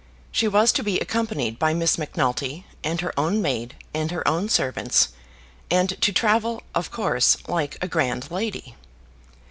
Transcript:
She was to be accompanied by Miss Macnulty and her own maid and her own servants, and to travel, of course, like a grand lady.